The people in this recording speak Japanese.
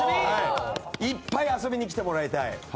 いっぱい遊びに来てもらいたい。